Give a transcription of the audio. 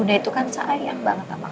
jangan berfikir gitu dong nah